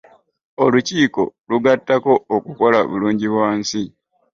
Olukiiko lugattako okukola Bulungibwansi.